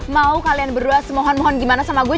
mau kalian berdua semohon mohon gimana sama gue